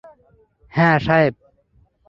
হ্যাঁ, সাহেব।